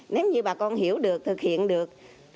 nếu như bà con hiểu được thực hiện được